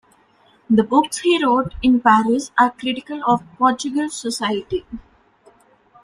The books he wrote in Paris are critical of Portuguese society.